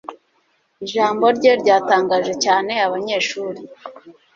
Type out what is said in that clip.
ijambo rye ryatangaje cyane abanyeshuri